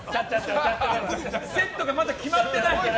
セットがまだ決まってない。